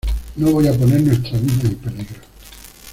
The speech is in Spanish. no voy a poner nuestras vidas en peligro.